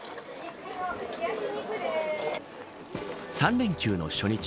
３連休の初日